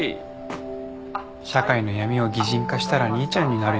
社会の闇を擬人化したら兄ちゃんになるよね。